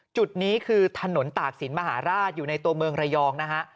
จุดนี้คือถนนตากศิลปมหาราชอยู่ในตัวเมืองระยองนะฮะ